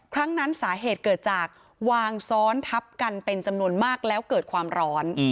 ครั้งนั้นสาเหตุเกิดจากวางซ้อนทับกันเป็นจำนวนมากแล้วเกิดความร้อน